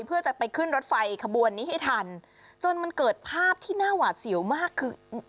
เพื่อจะไปขึ้นรถไฟขบวนนี้ให้ทันจนมันเกิดภาพที่น่าหวาดเสียวมากคือ